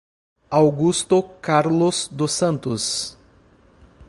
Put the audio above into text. Augusto Carlos dos Santos